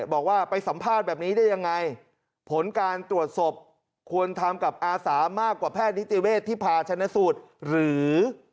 บอกว่าไปสัมภาษณ์แบบนี้ได้ยังไงผลการตรวจศพควรทำกับอาสามากกว่าแพทย์นิติเวศที่พาชนะสูตรหรือ